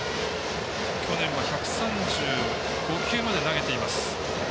去年は１３５球まで投げています。